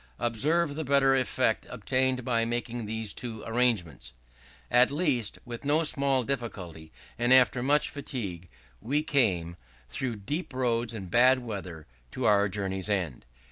Observe the better effect obtained by making these two changes: "At last, with no small difficulty, and after much fatigue, we came, through deep roads and bad weather, to our journey's end."